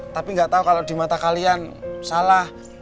tapi nggak tahu kalau di mata kalian salah